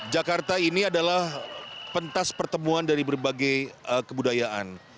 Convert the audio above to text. jakarta ini adalah pentas pertemuan dari berbagai kebudayaan